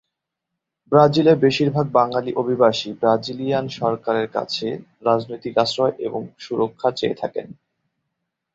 ব্রাজিলে বেশিরভাগ বাংলাদেশী অভিবাসী ব্রাজিলিয়ান সরকারের কাছে রাজনৈতিক আশ্রয় এবং সুরক্ষা চেয়ে থাকেন।